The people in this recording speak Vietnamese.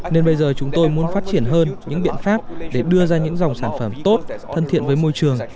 nên bây giờ chúng tôi muốn phát triển hơn những biện pháp để đưa ra những dòng sản phẩm tốt thân thiện với môi trường